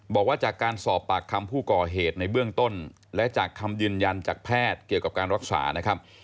บอกว่าจากการสอบปากคำผู้ก่อเหตุในเบื้องต้นและจากคำยืนยันจากแพทย์เกี่ยวกับการรักษานะครับ